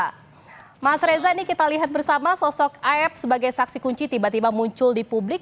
nah mas reza ini kita lihat bersama sosok aep sebagai saksi kunci tiba tiba muncul di publik